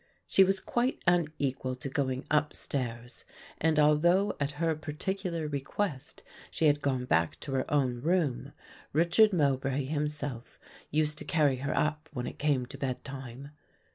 She was quite unequal to going upstairs and although at her particular request she had gone back to her own room, Richard Mowbray himself used to carry her up when it came to bed time.